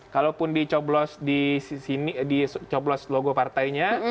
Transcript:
kalaupun dicoblos dicoblos logo partainya